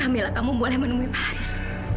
kamila kamu boleh menemui pak haris